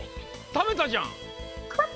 食べたじゃん！